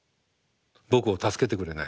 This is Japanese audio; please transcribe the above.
僕を助けてくれない。